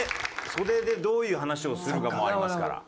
袖でどういう話をするかもありますから。